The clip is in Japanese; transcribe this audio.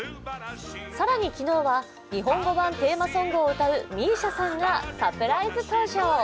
更に昨日は、日本語版テーマソングを歌うＭＩＳＩＡさんが、サプライズ登場。